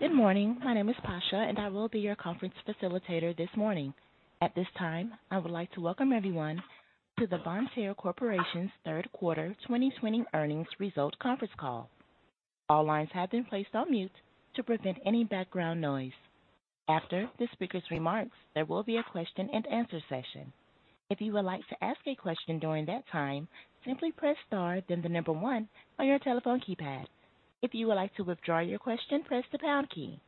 Good morning. My name is Pasha, and I will be your conference facilitator this morning. At this time, I would like to welcome everyone to the Vontier Corporation's Third Quarter 2020 Earnings Result Conference Call. All lines have been placed on mute to prevent any background noise. After the speaker's remarks, there will be a question and answer session. If you would like to ask a question during that time, simply press star then the number one on your telephone keypad. If you would like to withdraw your question, press the pound key.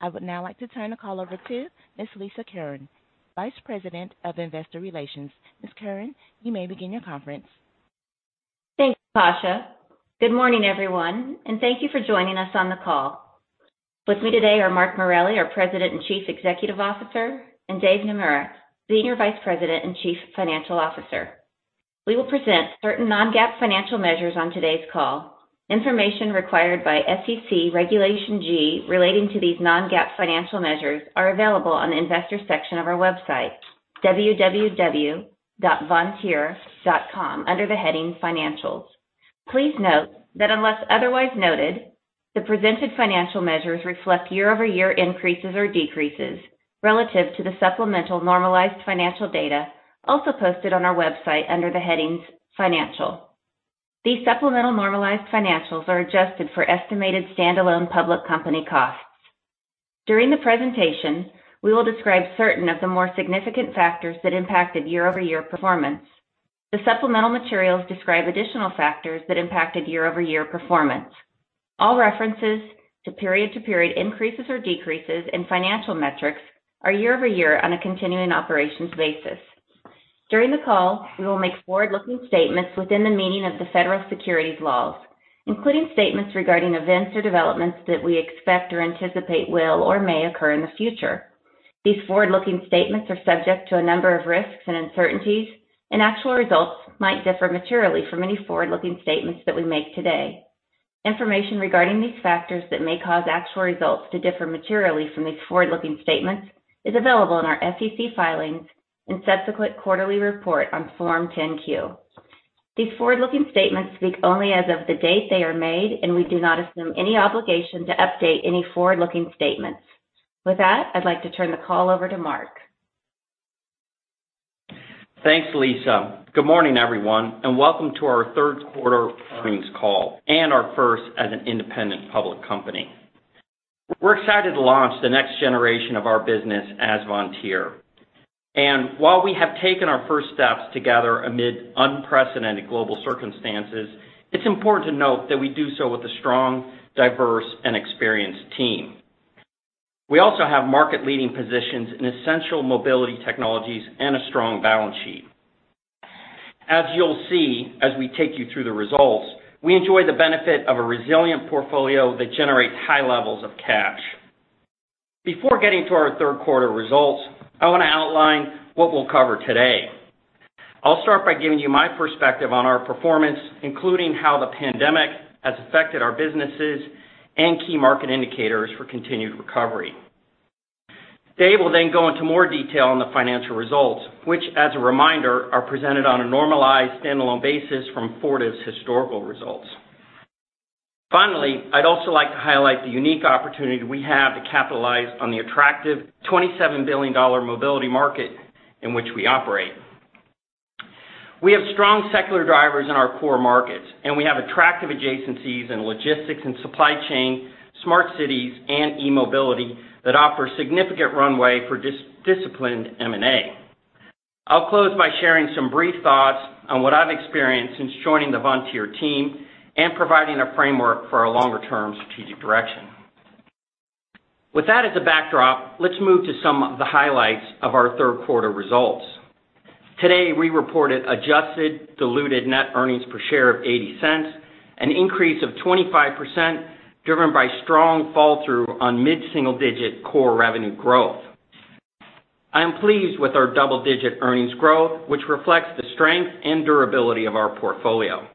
I would now like to turn the call over to Ms. Lisa Curran, Vice President of Investor Relations. Ms. Curran, you may begin your conference. Thanks, Pasha. Good morning, everyone, and thank you for joining us on the call. With me today are Mark Morelli, our President and Chief Executive Officer, and Dave Naemura, Senior Vice President and Chief Financial Officer. We will present certain non-GAAP financial measures on today's call. Information required by SEC Regulation G relating to these non-GAAP financial measures are available on the investor section of our website, www.vontier.com, under the heading Financials. Please note that unless otherwise noted, the presented financial measures reflect year-over-year increases or decreases relative to the supplemental normalized financial data also posted on our website under the headings Financial. These supplemental normalized financials are adjusted for estimated stand-alone public company costs. During the presentation, we will describe certain of the more significant factors that impacted year-over-year performance. The supplemental materials describe additional factors that impacted year-over-year performance. All references to period-to-period increases or decreases in financial metrics are year-over-year on a continuing operations basis. During the call, we will make forward-looking statements within the meaning of the federal securities laws, including statements regarding events or developments that we expect or anticipate will or may occur in the future. These forward-looking statements are subject to a number of risks and uncertainties, and actual results might differ materially from any forward-looking statements that we make today. Information regarding these factors that may cause actual results to differ materially from these forward-looking statements is available in our SEC filings and subsequent quarterly report on Form 10-Q. These forward-looking statements speak only as of the date they are made, and we do not assume any obligation to update any forward-looking statements. With that, I'd like to turn the call over to Mark. Thanks, Lisa. Good morning, everyone, and welcome to our third quarter earnings call and our first as an independent public company. We're excited to launch the next generation of our business as Vontier. While we have taken our first steps together amid unprecedented global circumstances, it's important to note that we do so with a strong, diverse, and experienced team. We also have market-leading positions in essential mobility technologies and a strong balance sheet. As you'll see, as we take you through the results, we enjoy the benefit of a resilient portfolio that generates high levels of cash. Before getting to our third quarter results, I want to outline what we'll cover today. I'll start by giving you my perspective on our performance, including how the pandemic has affected our businesses and key market indicators for continued recovery. Dave will then go into more detail on the financial results, which, as a reminder, are presented on a normalized stand-alone basis from Fortive's historical results. I'd also like to highlight the unique opportunity we have to capitalize on the attractive $27 billion mobility market in which we operate. We have strong secular drivers in our core markets, and we have attractive adjacencies in logistics and supply chain, smart cities, and e-mobility that offer significant runway for disciplined M&A. I'll close by sharing some brief thoughts on what I've experienced since joining the Vontier team and providing a framework for our longer-term strategic direction. With that as a backdrop, let's move to some of the highlights of our third quarter results. Today, we reported adjusted diluted net earnings per share of $0.80, an increase of 25%, driven by strong fall-through on mid-single-digit core revenue growth. I am pleased with our double-digit earnings growth, which reflects the strength and durability of our portfolio.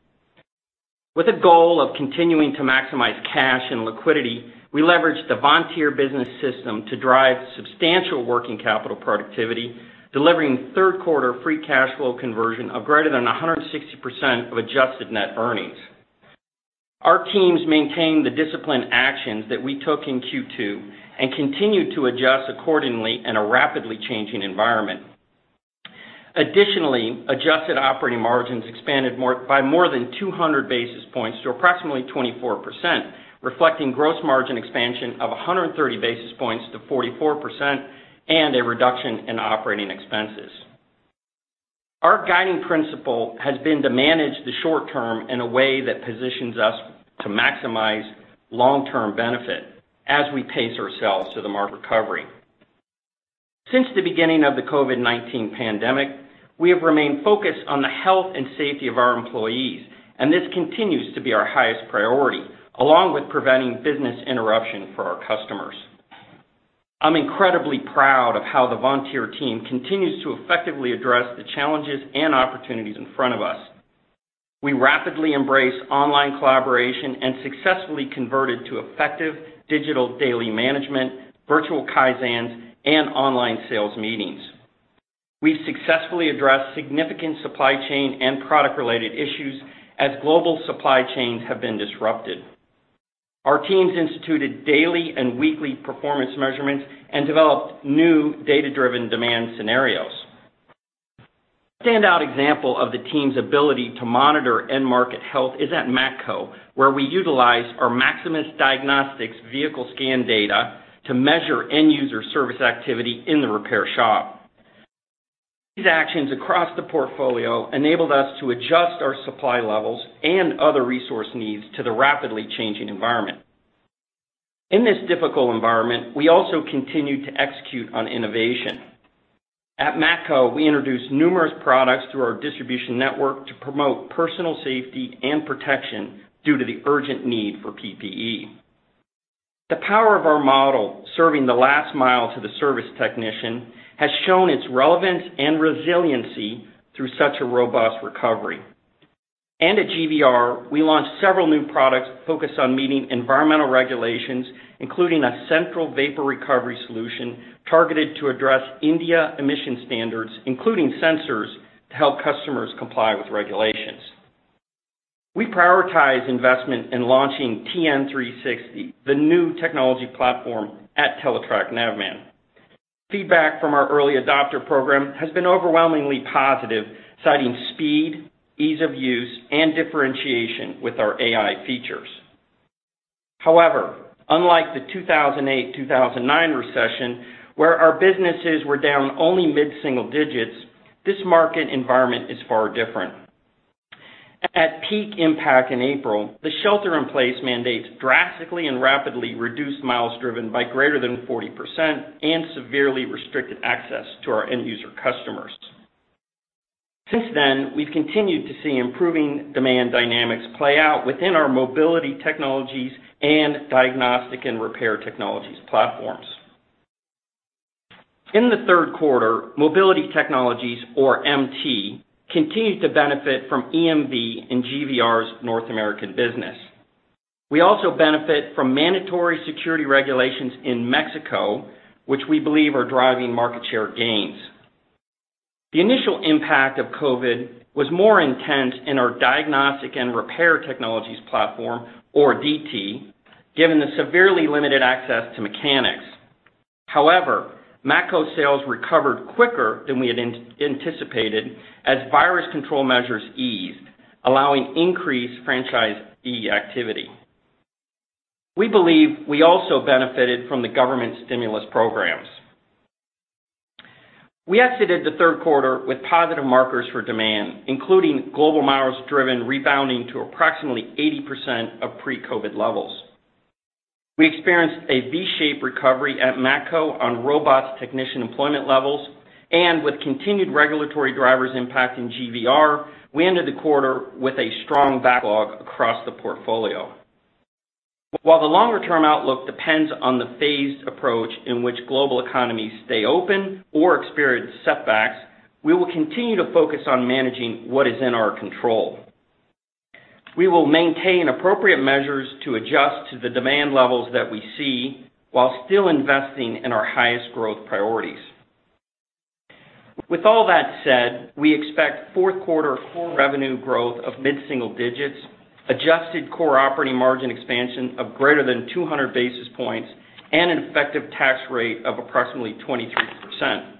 With a goal of continuing to maximize cash and liquidity, we leveraged the Vontier Business System to drive substantial working capital productivity, delivering third quarter free cash flow conversion of greater than 160% of adjusted net earnings. Our teams maintained the disciplined actions that we took in Q2 and continued to adjust accordingly in a rapidly changing environment. Additionally, adjusted operating margins expanded by more than 200 basis points to approximately 24%, reflecting gross margin expansion of 130 basis points to 44% and a reduction in operating expenses. Our guiding principle has been to manage the short term in a way that positions us to maximize long-term benefit as we pace ourselves to the market recovery. Since the beginning of the COVID-19 pandemic, we have remained focused on the health and safety of our employees, and this continues to be our highest priority, along with preventing business interruption for our customers. I'm incredibly proud of how the Vontier team continues to effectively address the challenges and opportunities in front of us. We rapidly embrace online collaboration and successfully converted to effective digital daily management, virtual Kaizens, and online sales meetings. We successfully addressed significant supply chain and product-related issues as global supply chains have been disrupted. Our teams instituted daily and weekly performance measurements and developed new data-driven demand scenarios. A standout example of the team's ability to monitor end market health is at Matco, where we utilize our Maximus Diagnostics vehicle scan data to measure end-user service activity in the repair shop. These actions across the portfolio enabled us to adjust our supply levels and other resource needs to the rapidly changing environment. In this difficult environment, we also continued to execute on innovation. At Matco, we introduced numerous products through our distribution network to promote personal safety and protection due to the urgent need for PPE. The power of our model serving the last mile to the service technician has shown its relevance and resiliency through such a robust recovery. At GVR, we launched several new products focused on meeting environmental regulations, including a central vapor recovery solution targeted to address India emission standards, including sensors to help customers comply with regulations. We prioritize investment in launching TN360, the new technology platform at Teletrac Navman. Feedback from our early adopter program has been overwhelmingly positive, citing speed, ease of use, and differentiation with our AI features. However, unlike the 2008, 2009 recession where our businesses were down only mid-single digits, this market environment is far different. At peak impact in April, the shelter-in-place mandates drastically and rapidly reduced miles driven by greater than 40% and severely restricted access to our end-user customers. Since then, we've continued to see improving demand dynamics play out within our Mobility Technologies and Diagnostic and Repair Technologies platforms. In the third quarter, Mobility Technologies, or MT, continued to benefit from EMV in GVR's North American business. We also benefit from mandatory security regulations in Mexico, which we believe are driving market share gains. The initial impact of COVID was more intense in our Diagnostic and Repair Technologies platform, or DT, given the severely limited access to mechanics. However, Matco sales recovered quicker than we had anticipated as virus control measures eased, allowing increased franchisee activity. We believe we also benefited from the government stimulus programs. We exited the third quarter with positive markers for demand, including global miles driven rebounding to approximately 80% of pre-COVID levels. We experienced a V-shaped recovery at Matco on robust technician employment levels, and with continued regulatory drivers impacting GVR, we ended the quarter with a strong backlog across the portfolio. While the longer-term outlook depends on the phased approach in which global economies stay open or experience setbacks, we will continue to focus on managing what is in our control. We will maintain appropriate measures to adjust to the demand levels that we see while still investing in our highest growth priorities. With all that said, we expect fourth quarter core revenue growth of mid-single digits, adjusted core operating margin expansion of greater than 200 basis points, and an effective tax rate of approximately 23%.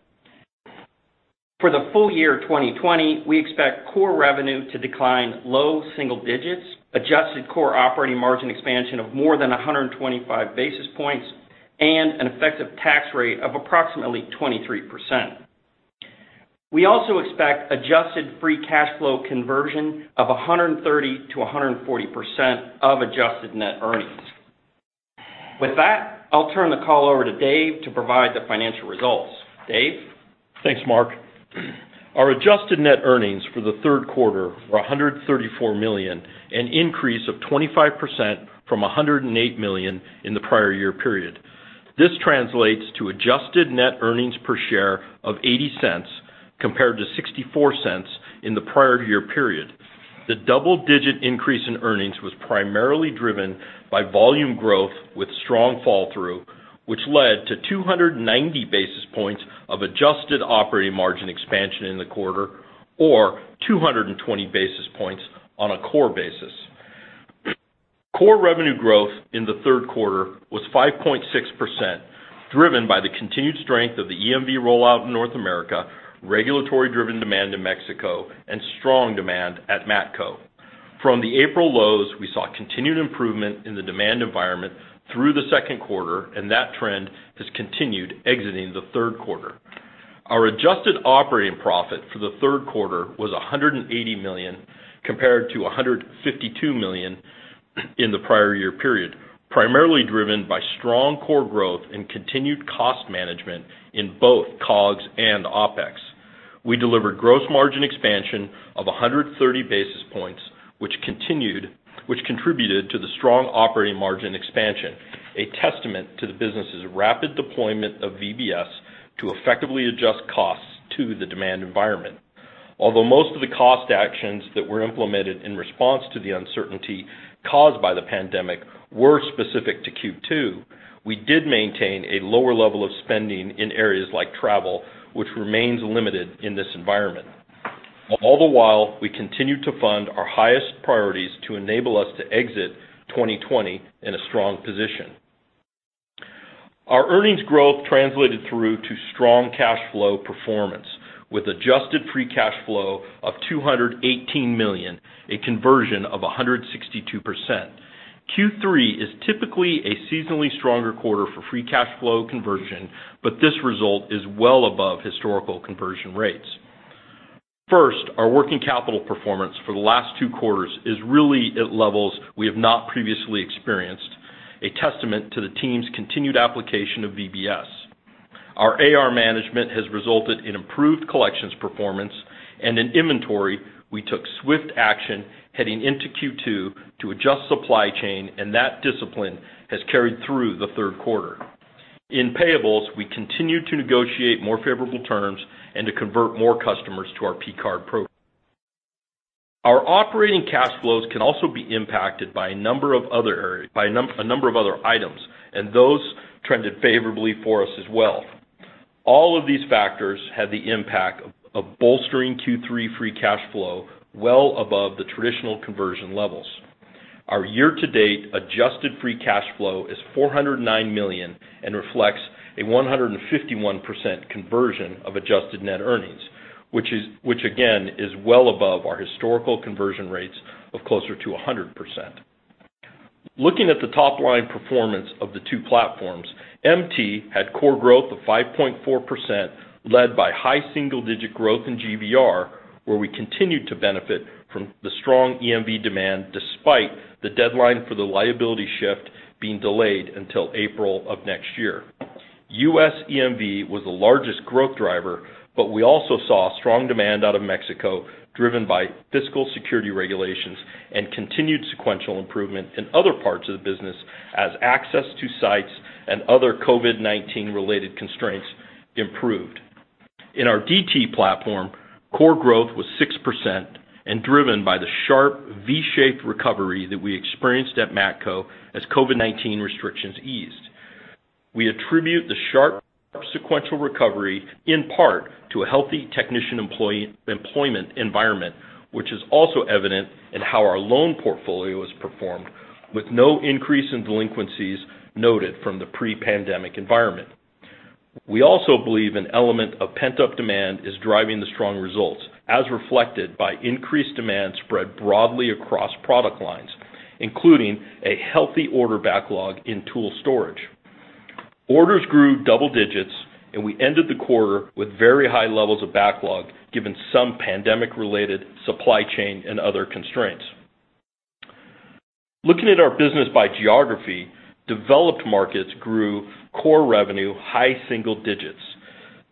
For the full year 2020, we expect core revenue to decline low single digits, adjusted core operating margin expansion of more than 125 basis points, and an effective tax rate of approximately 23%. We also expect adjusted free cash flow conversion of 130% to 140% of adjusted net earnings. With that, I'll turn the call over to Dave to provide the financial results. Dave? Thanks, Mark. Our adjusted net earnings for the third quarter were $134 million, an increase of 25% from $108 million in the prior year period. This translates to adjusted net earnings per share of $0.80 compared to $0.64 in the prior year period. The double-digit increase in earnings was primarily driven by volume growth with strong fall-through, which led to 290 basis points of adjusted operating margin expansion in the quarter, or 220 basis points on a core basis. Core revenue growth in the third quarter was 5.6%, driven by the continued strength of the EMV rollout in North America, regulatory-driven demand in Mexico, and strong demand at Matco. From the April lows, we saw continued improvement in the demand environment through the second quarter, and that trend has continued exiting the third quarter. Our adjusted operating profit for the third quarter was $180 million, compared to $152 million in the prior year period, primarily driven by strong core growth and continued cost management in both COGS and OpEx. We delivered gross margin expansion of 130 basis points, which contributed to the strong operating margin expansion, a testament to the business' rapid deployment of VBS to effectively adjust costs to the demand environment. Most of the cost actions that were implemented in response to the uncertainty caused by the pandemic were specific to Q2, we did maintain a lower level of spending in areas like travel, which remains limited in this environment. We continued to fund our highest priorities to enable us to exit 2020 in a strong position. Our earnings growth translated through to strong cash flow performance with adjusted free cash flow of $218 million, a conversion of 162%. Q3 is typically a seasonally stronger quarter for free cash flow conversion, but this result is well above historical conversion rates. First, our working capital performance for the last two quarters is really at levels we have not previously experienced, a testament to the team's continued application of VBS. Our AR management has resulted in improved collections performance and in inventory we took swift action heading into Q2 to adjust supply chain, and that discipline has carried through the third quarter. In payables, we continued to negotiate more favorable terms and to convert more customers to our P-card program. Our operating cash flows can also be impacted by a number of other items, and those trended favorably for us as well. All of these factors had the impact of bolstering Q3 free cash flow well above the traditional conversion levels. Our year-to-date adjusted free cash flow is $409 million and reflects a 151% conversion of adjusted net earnings, which again is well above our historical conversion rates of closer to 100%. Looking at the top-line performance of the two platforms, MT had core growth of 5.4%, led by high single-digit growth in GVR, where we continued to benefit from the strong EMV demand despite the deadline for the liability shift being delayed until April of next year. U.S. EMV was the largest growth driver, but we also saw strong demand out of Mexico driven by fiscal security regulations and continued sequential improvement in other parts of the business as access to sites and other COVID-19 related constraints improved. In our DT platform, core growth was 6% and driven by the sharp V-shaped recovery that we experienced at Matco as COVID-19 restrictions eased. We attribute the sharp sequential recovery in part to a healthy technician employment environment, which is also evident in how our loan portfolio has performed with no increase in delinquencies noted from the pre-pandemic environment. We also believe an element of pent-up demand is driving the strong results, as reflected by increased demand spread broadly across product lines, including a healthy order backlog in tool storage. Orders grew double digits, and we ended the quarter with very high levels of backlog given some pandemic-related supply chain and other constraints. Looking at our business by geography, developed markets grew core revenue high single digits.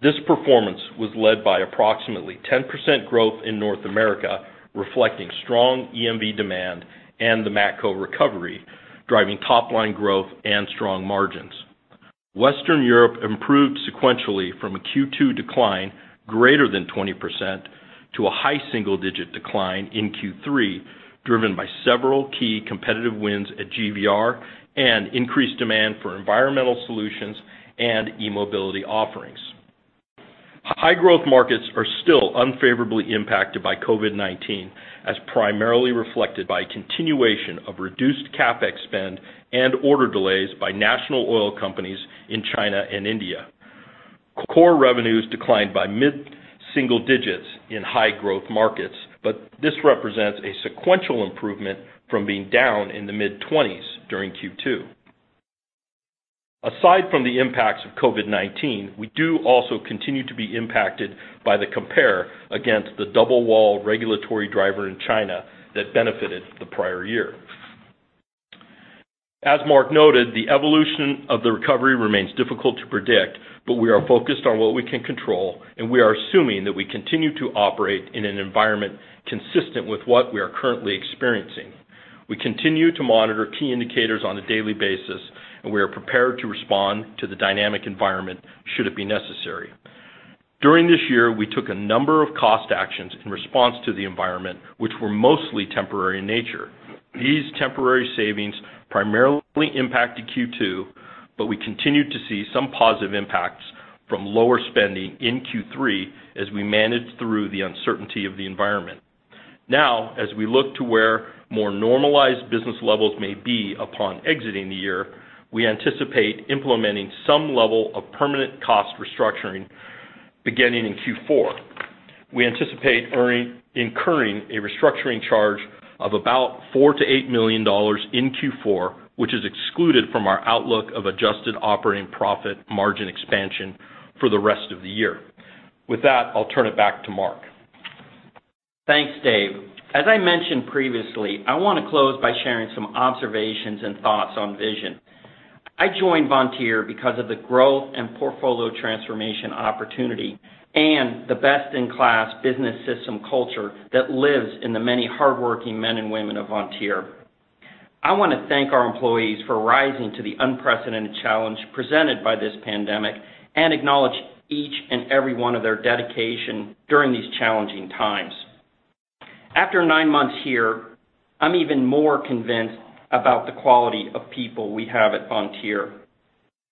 This performance was led by approximately 10% growth in North America, reflecting strong EMV demand and the Matco recovery, driving top-line growth and strong margins. Western Europe improved sequentially from a Q2 decline greater than 20% to a high single-digit decline in Q3, driven by several key competitive wins at GVR and increased demand for environmental solutions and e-mobility offerings. High growth markets are still unfavorably impacted by COVID-19 as primarily reflected by continuation of reduced CapEx spend and order delays by national oil companies in China and India. Core revenues declined by mid-single digits in high-growth markets, but this represents a sequential improvement from being down in the mid-20s during Q2. Aside from the impacts of COVID-19, we do also continue to be impacted by the compare against the double wall regulatory driver in China that benefited the prior year. As Mark noted, the evolution of the recovery remains difficult to predict, but we are focused on what we can control, and we are assuming that we continue to operate in an environment consistent with what we are currently experiencing. We continue to monitor key indicators on a daily basis, and we are prepared to respond to the dynamic environment should it be necessary. During this year, we took a number of cost actions in response to the environment, which were mostly temporary in nature. These temporary savings primarily impacted Q2, but we continued to see some positive impacts from lower spending in Q3 as we managed through the uncertainty of the environment. Now, as we look to where more normalized business levels may be upon exiting the year, we anticipate implementing some level of permanent cost restructuring beginning in Q4. We anticipate incurring a restructuring charge of about $4 million-$8 million in Q4, which is excluded from our outlook of adjusted operating profit margin expansion for the rest of the year. With that, I'll turn it back to Mark. Thanks, Dave. As I mentioned previously, I want to close by sharing some observations and thoughts on vision. I joined Vontier because of the growth and portfolio transformation opportunity and the best-in-class business system culture that lives in the many hardworking men and women of Vontier. I want to thank our employees for rising to the unprecedented challenge presented by this pandemic and acknowledge each and every one of their dedication during these challenging times. After nine months here, I'm even more convinced about the quality of people we have at Vontier.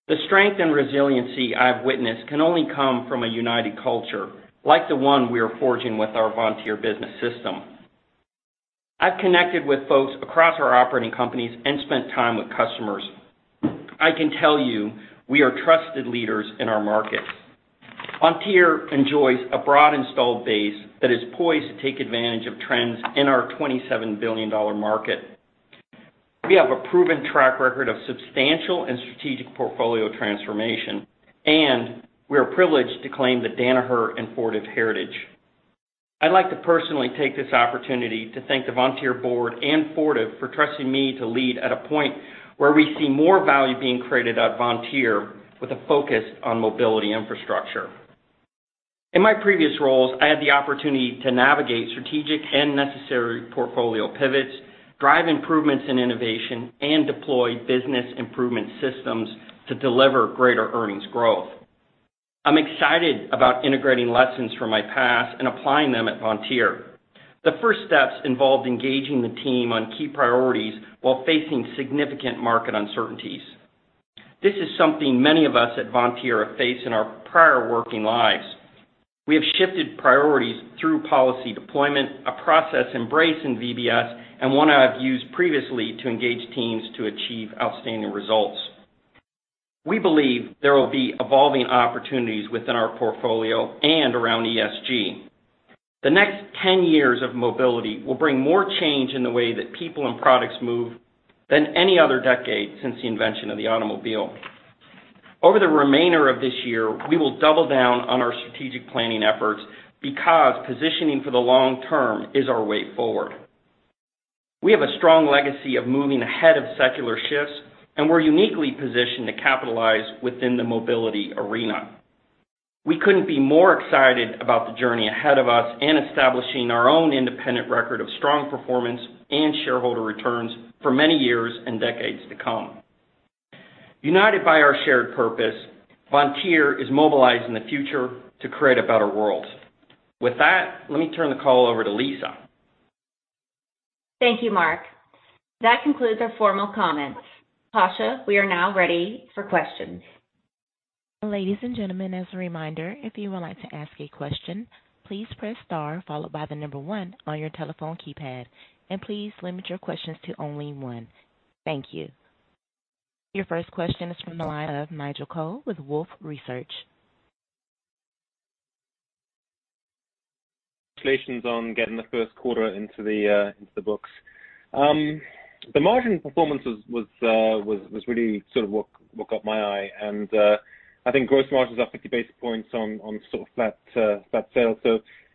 The strength and resiliency I've witnessed can only come from a united culture like the one we're forging with our Vontier Business System. I've connected with folks across our operating companies and spent time with customers. I can tell you we are trusted leaders in our markets. Vontier enjoys a broad installed base that is poised to take advantage of trends in our $27 billion market. We have a proven track record of substantial and strategic portfolio transformation and we're privileged to claim the Danaher and Fortive heritage. I'd like to personally take this opportunity to thank the Vontier board and Fortive for trusting me to lead at a point where we see more value being created at Vontier with a focus on mobility infrastructure. In my previous roles, I had the opportunity to navigate strategic and necessary portfolio pivots, drive improvements in innovation, and deploy business improvement systems to deliver greater earnings growth. I'm excited about integrating lessons from my past and applying them at Vontier. The first steps involved engaging the team on key priorities while facing significant market uncertainties. This is something many of us at Vontier have faced in our prior working lives. We have shifted priorities through policy deployment, a process embraced in VBS and one I've used previously to engage teams to achieve outstanding results. We believe there will be evolving opportunities within our portfolio and around ESG. The next 10 years of mobility will bring more change in the way that people and products move than any other decade since the invention of the automobile. Over the remainder of this year, we will double down on our strategic planning efforts because positioning for the long term is our way forward. We have a strong legacy of moving ahead of secular shifts, and we're uniquely positioned to capitalize within the mobility arena. We couldn't be more excited about the journey ahead of us and establishing our own independent record of strong performance and shareholder returns for many years and decades to come. United by our shared purpose, Vontier is mobilized in the future to create a better world. With that, let me turn the call over to Lisa. Thank you, Mark. That concludes our formal comments. Pasha, we are now ready for questions. Ladies and gentlemen, as a reminder, if you would like to ask a question, please press star followed by number one on your telephone keypad, and please limit your questions to only one. Thank you. Your first question is from the line of Nigel Coe with Wolfe Research. Congratulations on getting the first quarter into the books. The margin performance was really sort of what got my eye. I think gross margins are 50 basis points on sort of flat sales.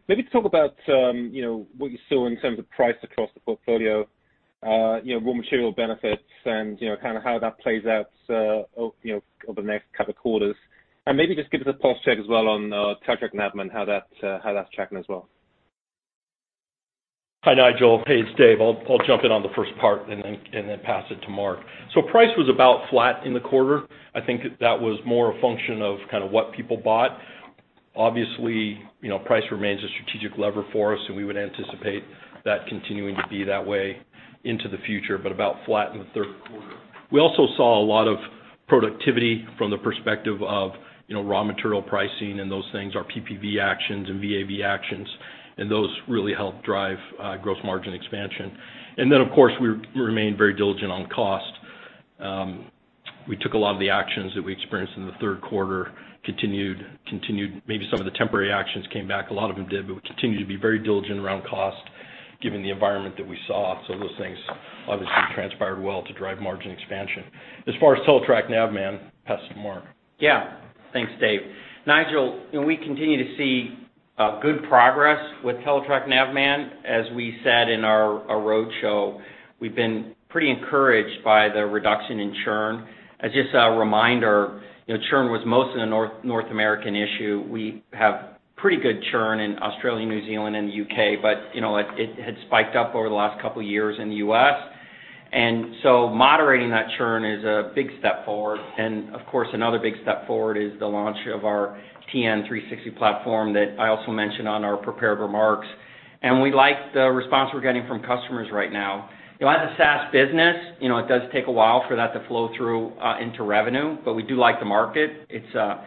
Maybe talk about what you saw in terms of price across the portfolio, raw material benefits, and kind of how that plays out over the next couple quarters. Maybe just give us a pulse check as well on Teletrac Navman, how that's tracking as well. Hi, Nigel. Hey, it's Dave. I'll jump in on the first part and then pass it to Mark. Price was about flat in the quarter. I think that was more a function of kind of what people bought. Obviously, price remains a strategic lever for us, and we would anticipate that continuing to be that way into the future, but about flat in the third quarter. We also saw a lot of productivity from the perspective of raw material pricing and those things, our PPV actions and VAVE actions, and those really helped drive gross margin expansion. Then, of course, we remained very diligent on cost. We took a lot of the actions that we experienced in the third quarter, continued maybe some of the temporary actions came back. A lot of them did, but we continued to be very diligent around cost, given the environment that we saw. Those things obviously transpired well to drive margin expansion. As far as Teletrac Navman, pass to Mark. Yeah. Thanks, Dave. Nigel, we continue to see good progress with Teletrac Navman. As we said in our roadshow, we've been pretty encouraged by the reduction in churn. As just a reminder, churn was mostly a North American issue. We have pretty good churn in Australia, New Zealand, and the U.K. It had spiked up over the last couple of years in the U.S., and so moderating that churn is a big step forward. Of course, another big step forward is the launch of our TN360 platform that I also mentioned on our prepared remarks, and we like the response we're getting from customers right now. As a SaaS business, it does take a while for that to flow through into revenue, but we do like the market. It's an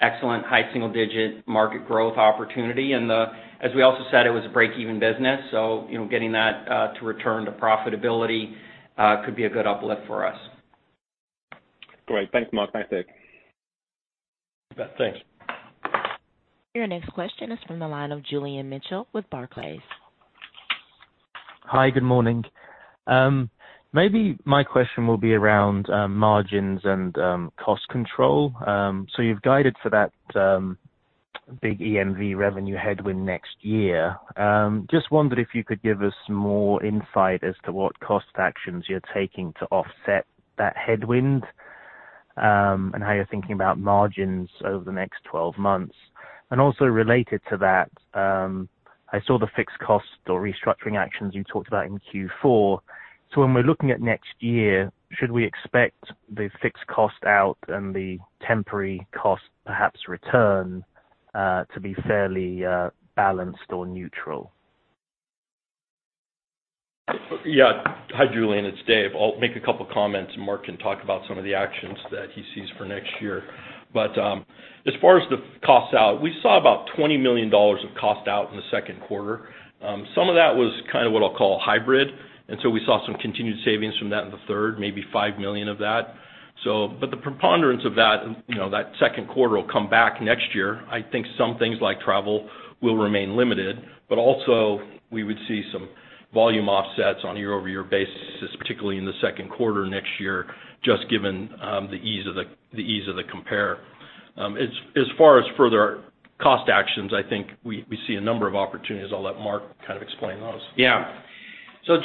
excellent high single-digit market growth opportunity. As we also said, it was a break-even business. Getting that to return to profitability could be a good uplift for us. Great. Thanks, Mark. Thanks, Dave. You bet. Thanks. Your next question is from the line of Julian Mitchell with Barclays. Hi, good morning. Maybe my question will be around margins and cost control. You've guided for that big EMV revenue headwind next year. Just wondered if you could give us more insight as to what cost actions you're taking to offset that headwind. How you're thinking about margins over the next 12 months. Also related to that, I saw the fixed cost or restructuring actions you talked about in Q4. When we're looking at next year, should we expect the fixed cost out and the temporary cost, perhaps return, to be fairly balanced or neutral? Hi, Julian, it's Dave. I'll make a couple of comments, and Mark can talk about some of the actions that he sees for next year. As far as the cost out, we saw about $20 million of cost out in the second quarter. Some of that was kind of what I'll call hybrid, and so we saw some continued savings from that in the third, maybe $5 million of that. The preponderance of that second quarter will come back next year. I think some things like travel will remain limited, but also we would see some volume offsets on a year-over-year basis, particularly in the second quarter next year, just given the ease of the compare. As far as further cost actions, I think we see a number of opportunities. I'll let Mark kind of explain those. Yeah.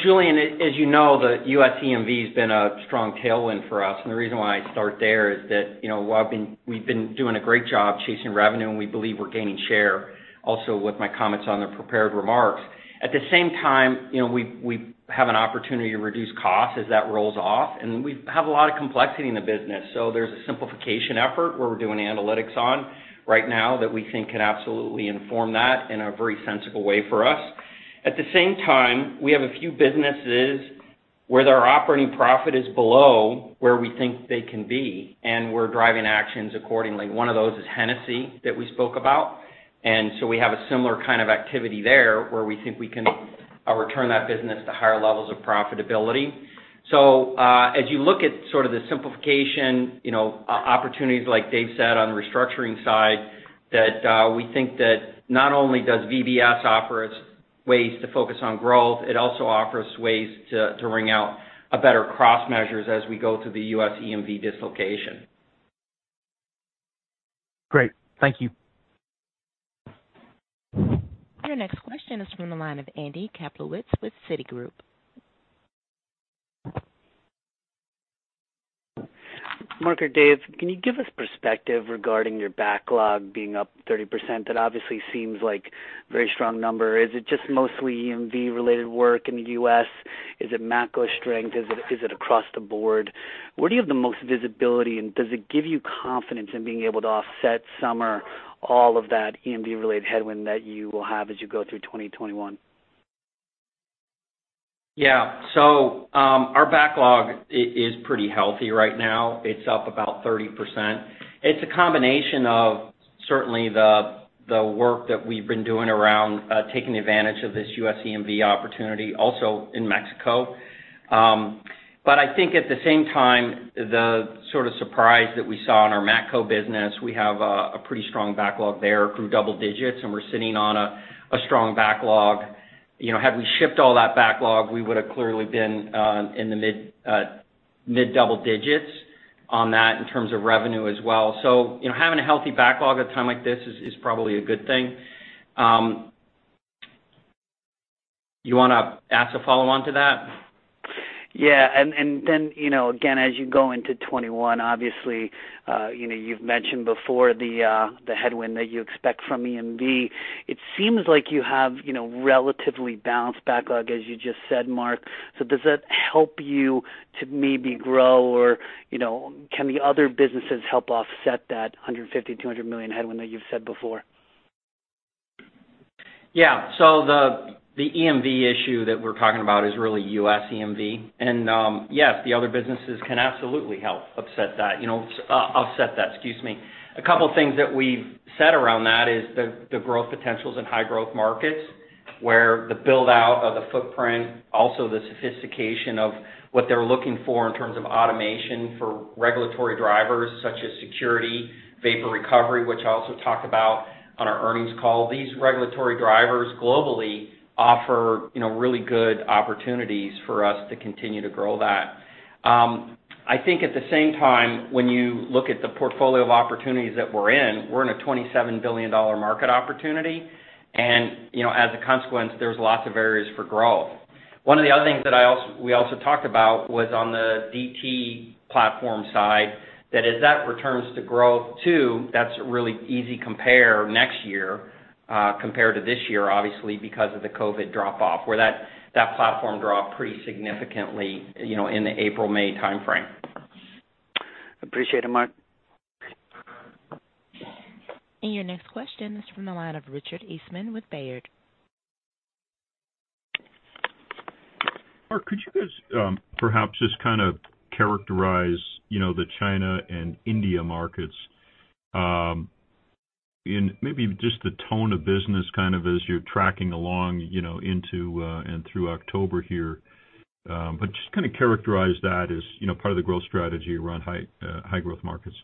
Julian, as you know, the U.S. EMV has been a strong tailwind for us, and the reason why I start there is that we've been doing a great job chasing revenue, and we believe we're gaining share also with my comments on the prepared remarks. At the same time, we have an opportunity to reduce costs as that rolls off, and we have a lot of complexity in the business. There's a simplification effort where we're doing analytics on right now that we think can absolutely inform that in a very sensible way for us. At the same time, we have a few businesses where their operating profit is below where we think they can be, and we're driving actions accordingly. One of those is Hennessy that we spoke about, and so we have a similar kind of activity there where we think we can return that business to higher levels of profitability. As you look at sort of the simplification opportunities, like Dave said, on the restructuring side, that we think that not only does VBS offer us ways to focus on growth, it also offers ways to wring out better cross measures as we go through the U.S. EMV dislocation. Great. Thank you. Your next question is from the line of Andy Kaplowitz with Citigroup. Mark or Dave, can you give us perspective regarding your backlog being up 30%? That obviously seems like a very strong number. Is it just mostly EMV related work in the U.S.? Is it Matco strength? Is it across the board? Where do you have the most visibility, and does it give you confidence in being able to offset some or all of that EMV related headwind that you will have as you go through 2021? Yeah. Our backlog is pretty healthy right now. It's up about 30%. It's a combination of certainly the work that we've been doing around taking advantage of this U.S. EMV opportunity also in Mexico. I think at the same time, the sort of surprise that we saw in our Matco business, we have a pretty strong backlog there, grew double digits, and we're sitting on a strong backlog. Had we shipped all that backlog, we would have clearly been in the mid double digits on that in terms of revenue as well. Having a healthy backlog at a time like this is probably a good thing. You want to ask a follow-on to that? Yeah. Again, as you go into 2021, obviously, you've mentioned before the headwind that you expect from EMV. It seems like you have relatively balanced backlog, as you just said, Mark. Does that help you to maybe grow or, can the other businesses help offset that $150 million-$200 million headwind that you've said before? The EMV issue that we're talking about is really U.S. EMV. Yes, the other businesses can absolutely help offset that. A couple of things that we've said around that is the growth potentials in high growth markets, where the build-out of the footprint, also the sophistication of what they're looking for in terms of automation for regulatory drivers such as security, vapor recovery, which I also talked about on our earnings call. These regulatory drivers globally offer really good opportunities for us to continue to grow that. I think at the same time, when you look at the portfolio of opportunities that we're in, we're in a $27 billion market opportunity, and as a consequence, there's lots of areas for growth. One of the other things that we also talked about was on the DT platform side, that as that returns to growth too, that's a really easy compare next year compared to this year, obviously because of the COVID drop-off, where that platform dropped pretty significantly in the April, May timeframe. Appreciate it, Mark. Your next question is from the line of Richard Eastman with Baird. Mark, could you guys perhaps just kind of characterize the China and India markets, and maybe just the tone of business kind of as you're tracking along into and through October here? Just kind of characterize that as part of the growth strategy around high growth markets.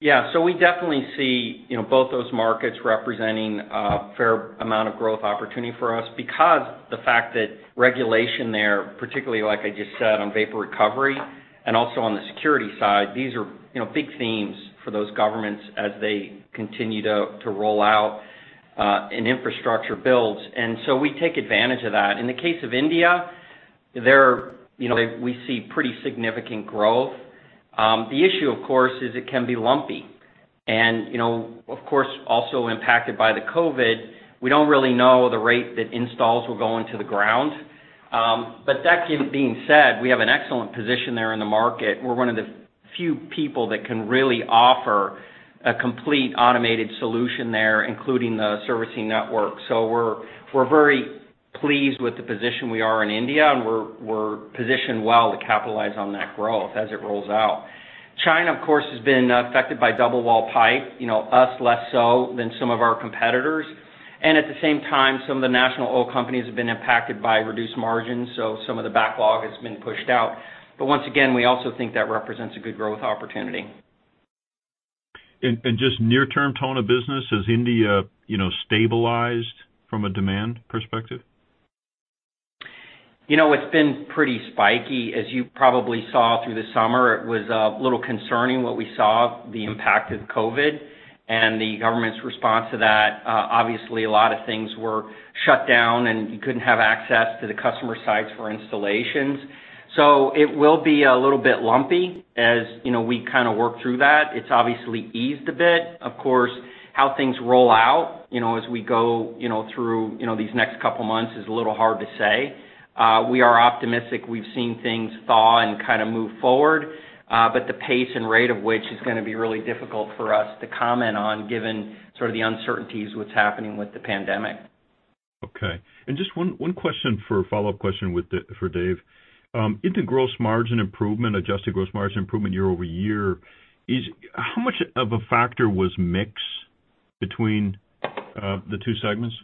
Yeah. We definitely see both those markets representing a fair amount of growth opportunity for us because the fact that regulation there, particularly like I just said on vapor recovery and also on the security side, these are big themes for those governments as they continue to roll out and infrastructure builds. We take advantage of that. In the case of India, we see pretty significant growth. The issue, of course, is it can be lumpy. Of course, also impacted by the COVID. We don't really know the rate that installs will go into the ground. That being said, we have an excellent position there in the market. We're one of the few people that can really offer a complete automated solution there, including the servicing network. We're very pleased with the position we are in India, and we're positioned well to capitalize on that growth as it rolls out. China, of course, has been affected by double-wall pipe, us less so than some of our competitors. At the same time, some of the national oil companies have been impacted by reduced margins, so some of the backlog has been pushed out. Once again, we also think that represents a good growth opportunity. Just near-term tone of business, has India stabilized from a demand perspective? It's been pretty spiky, as you probably saw through the summer. It was a little concerning what we saw, the impact of COVID and the government's response to that. Obviously, a lot of things were shut down, and you couldn't have access to the customer sites for installations. It will be a little bit lumpy as we kind of work through that. It's obviously eased a bit. Of course, how things roll out as we go through these next couple of months is a little hard to say. We are optimistic. We've seen things thaw and kind of move forward. The pace and rate of which is going to be really difficult for us to comment on given sort of the uncertainties, what's happening with the pandemic. Okay. Just one follow-up question for Dave. Into gross margin improvement, adjusted gross margin improvement year-over-year, how much of a factor was mix between the two segments?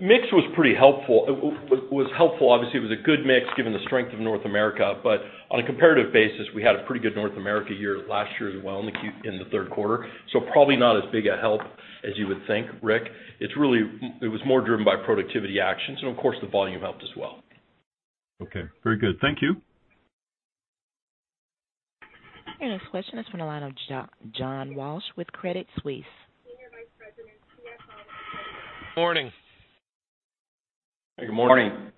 Mix was pretty helpful. It was helpful. Obviously, it was a good mix given the strength of North America. On a comparative basis, we had a pretty good North America year last year as well in the third quarter. Probably not as big a help as you would think, Rick. It was more driven by productivity actions, and of course, the volume helped as well. Okay. Very good. Thank you. Your next question is from the line of John Walsh with Credit Suisse. Morning. Good morning.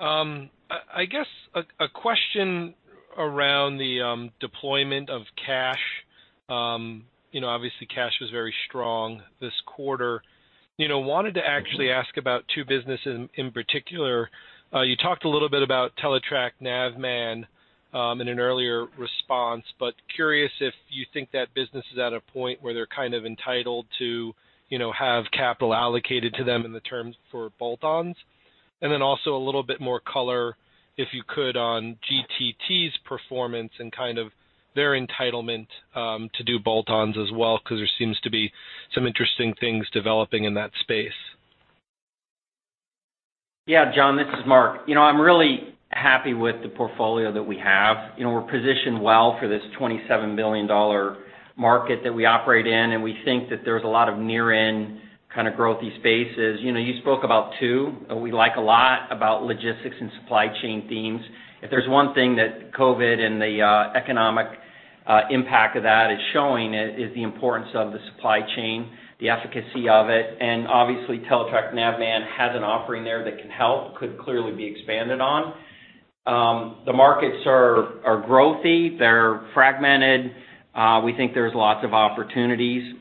I guess a question around the deployment of cash. Obviously, cash was very strong this quarter. Wanted to actually ask about two businesses in particular. You talked a little bit about Teletrac Navman in an earlier response, curious if you think that business is at a point where they're kind of entitled to have capital allocated to them in the terms for bolt-ons. Also a little bit more color, if you could, on GTT's performance and kind of their entitlement to do bolt-ons as well. There seems to be some interesting things developing in that space. Yeah, John, this is Mark. I'm really happy with the portfolio that we have. We're positioned well for this $27 billion market that we operate in, and we think that there's a lot of near-in kind of growthy spaces. You spoke about two. We like a lot about logistics and supply chain themes. If there's one thing that COVID and the economic impact of that is showing is the importance of the supply chain, the efficacy of it, and obviously, Teletrac Navman has an offering there that can help, could clearly be expanded on. The markets are growthy. They're fragmented. We think there's lots of opportunities.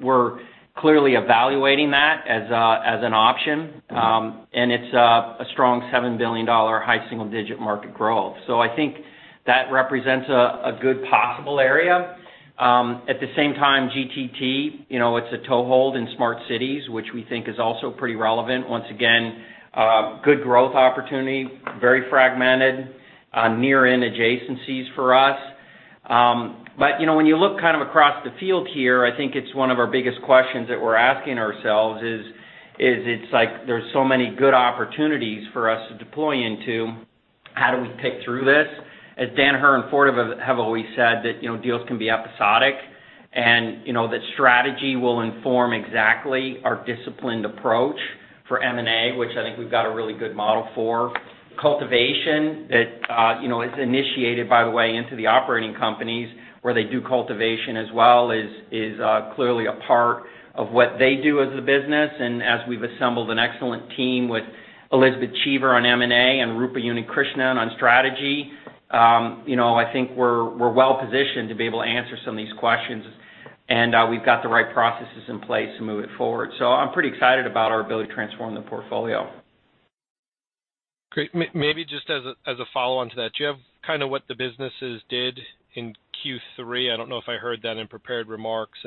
We're clearly evaluating that as an option, and it's a strong $7 billion high single-digit market growth. I think that represents a good possible area. At the same time, GTT, it's a toehold in smart cities, which we think is also pretty relevant. Once again, good growth opportunity, very fragmented, near-in adjacencies for us. When you look kind of across the field here, I think it's one of our biggest questions that we're asking ourselves is it's like there's so many good opportunities for us to deploy into. How do we pick through this? As Danaher and Fortive have always said that deals can be episodic, and that strategy will inform exactly our disciplined approach for M&A, which I think we've got a really good model for. Cultivation that is initiated, by the way, into the operating companies where they do cultivation as well is clearly a part of what they do as a business. As we've assembled an excellent team with Elizabeth Cheever on M&A and Roopa Unnikrishnan on strategy, I think we're well-positioned to be able to answer some of these questions, and we've got the right processes in place to move it forward. I'm pretty excited about our ability to transform the portfolio. Great. Maybe just as a follow-on to that. Do you have kind of what the businesses did in Q3? I don't know if I heard that in prepared remarks.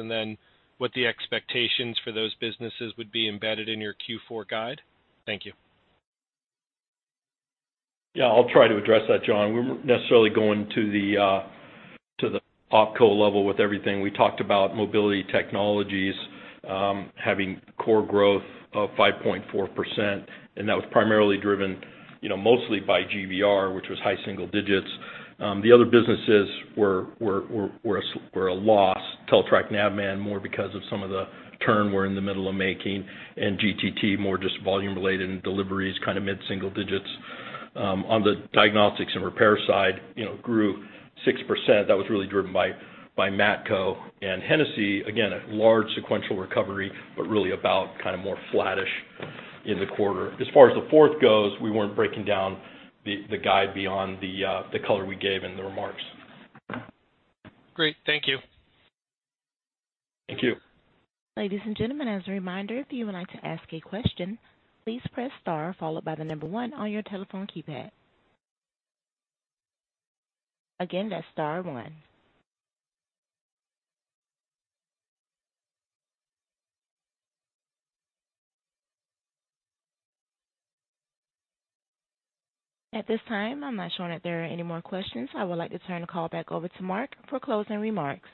What the expectations for those businesses would be embedded in your Q4 guide? Thank you. I'll try to address that, John. We weren't necessarily going to the OpCo level with everything. We talked about Mobility Technologies having core growth of 5.4%, and that was primarily driven mostly by GVR, which was high single digits. The other businesses were a loss. Teletrac Navman, more because of some of the turn we're in the middle of making, and GTT more just volume related and deliveries kind of mid-single digits. On the diagnostics and repair side, grew 6%. That was really driven by Matco. Hennessy, again, a large sequential recovery, but really about kind of more flattish in the quarter. As far as the fourth goes, we weren't breaking down the guide beyond the color we gave in the remarks. Great. Thank you. Thank you. Ladies and gentlemen, as a reminder, if you would like to ask a question, please press star followed by number one on your telephone keypad. Again, one. At this time, I'm not showing that there are any more questions. I would like to turn the call back over to Mark for closing remarks.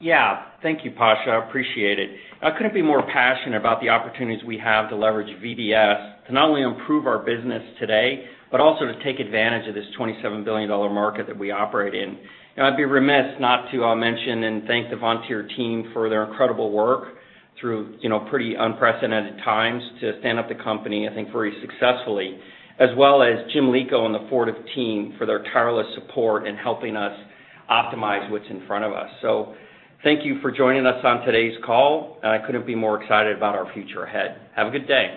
Yeah. Thank you, Pasha. I appreciate it. I couldn't be more passionate about the opportunities we have to leverage VBS to not only improve our business today, but also to take advantage of this $27 billion market that we operate in. I'd be remiss not to mention and thank the Vontier team for their incredible work through pretty unprecedented times to stand up the company, I think, very successfully, as well as Jim Lico and the Fortive team for their tireless support in helping us optimize what's in front of us. Thank you for joining us on today's call, and I couldn't be more excited about our future ahead. Have a good day.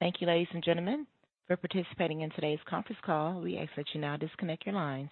Thank you, ladies and gentlemen, for participating in today's conference call. We ask that you now disconnect your lines.